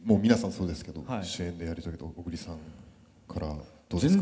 そうですけど主演でやり遂げた小栗さんからどうですか。